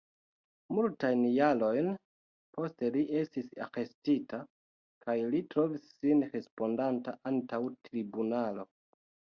Multajn jarojn poste li estis arestita, kaj li trovis sin respondanta antaŭ tribunalo.